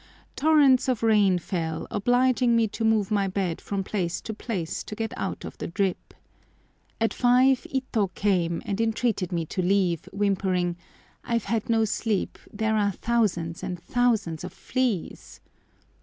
Torrents of rain fell, obliging me to move my bed from place to place to get out of the drip. At five Ito came and entreated me to leave, whimpering, "I've had no sleep; there are thousands and thousands of fleas!"